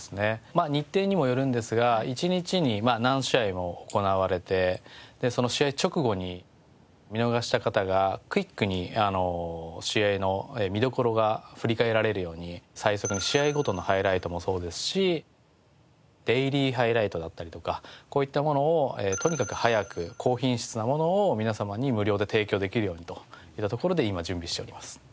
まあ日程にもよるんですが一日に何試合も行われてその試合直後に見逃した方がクイックに試合の見どころが振り返られるように最速に試合ごとのハイライトもそうですしデイリーハイライトだったりとかこういったものをとにかく早く高品質なものを皆様に無料で提供できるようにといったところで今準備しております。